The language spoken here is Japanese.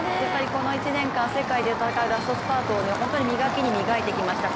この１年間世界で戦うラストスパートを本当に磨きに磨いてきました。